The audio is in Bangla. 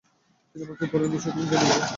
তিনি আমাকে বললেন, নিশ্চয় তুমি জ্ঞানী বালক হবে।